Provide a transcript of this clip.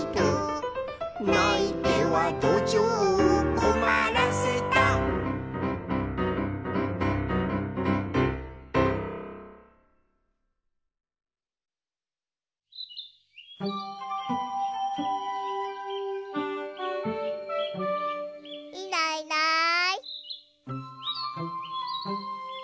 「ないてはどじょうをこまらせた」いないいない。